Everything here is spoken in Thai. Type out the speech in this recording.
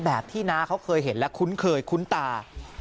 แบบที่น้าเขาเคยเห็นและคุ้นเคยคุ้นตา